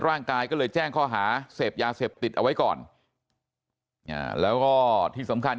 ร่างกายก็เลยแจ้งข้อหาเสพยาเสพติดเอาไว้ก่อนอ่าแล้วก็ที่สำคัญ